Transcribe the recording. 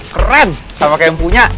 keren sama kayak yang punya